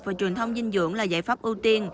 và truyền thông dinh dưỡng là giải pháp ưu tiên